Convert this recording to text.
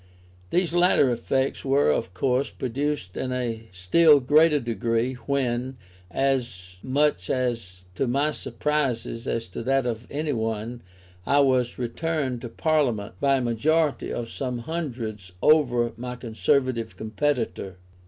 These latter effects were of course produced in a still greater degree, when, as much to my surprise as to that of any one, I was returned to Parliament by a majority of some hundreds over my Conservative competitor.